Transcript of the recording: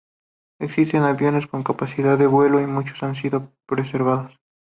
Existen aviones con capacidad de vuelo y muchos han sido preservados.